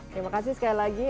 terima kasih sekali lagi